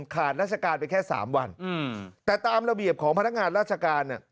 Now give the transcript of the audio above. ขาดราชการไปแค่๓วันแต่ตามระเบียบของพนักงานราชการเนี่ย